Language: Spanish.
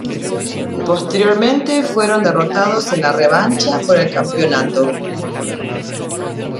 Posteriormente, fueron derrotados en la revancha por el campeonato.